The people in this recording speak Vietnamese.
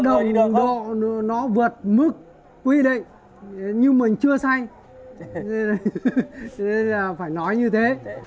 nó gây nguy hiểm cho mình nó đồng độ nó vượt mức quy định nhưng mình chưa say phải nói như thế